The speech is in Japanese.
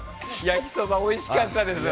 焼きそばおいしかったです。